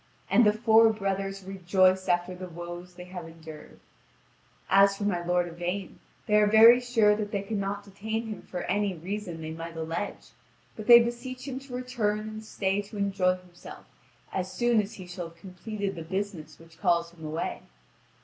And the four brothers rejoice after the woes they have endured. As for my lord Yvain they are very sure that they could not detain him for any reason they might allege, but they beseech him to return and stay to enjoy himself as soon as he shall have completed the business which calls him away.